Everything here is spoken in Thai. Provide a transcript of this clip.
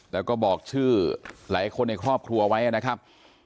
แล้วก็บอกชื่อหลายคนในครอบครัวไว้นะครับ